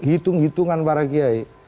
hitung hitungan para kiai